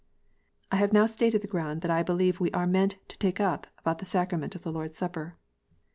I have now stated the ground that I believe we are meant to take up about the sacrament of the Lord s Supper.